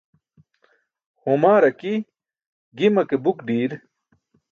Humaaar aki, gima ke buk ḍiir